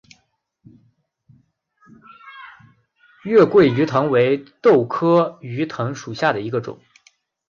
黔桂鱼藤为豆科鱼藤属下的一个种。